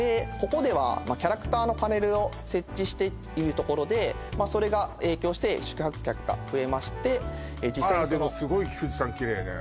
ここではキャラクターのパネルを設置しているところでそれが影響して宿泊客が増えまして実際にそのあらでもすごい富士山きれいね